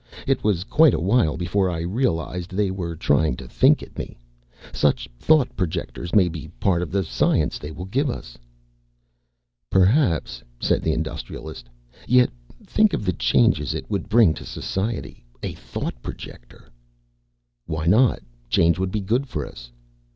It was quite a while before I realized they were trying to think at me. Such thought projectors may be part of the science they will give us." "Perhaps," said the Industrialist. "Yet think of the changes it would bring to society. A thought projector!" "Why not? Change would be good for us."